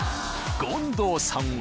［権藤さんは］